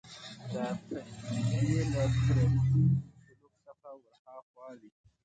دا پدیدې له فردي سلوک څخه ورهاخوا وي